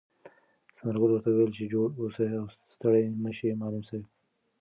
ثمر ګل ورته وویل چې جوړ اوسې او ستړی مه شې معلم صاحب.